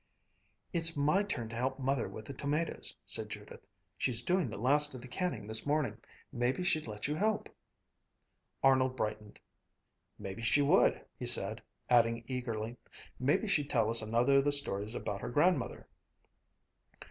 "It's my turn to help Mother with the tomatoes," said Judith. "She's doing the last of the canning this morning. Maybe she'd let you help." Arnold brightened. "Maybe she would!" he said, adding eagerly, "Maybe she'd tell us another of the stories about her grandmother."